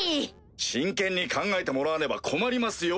真剣に考えてもらわねば困りますよ！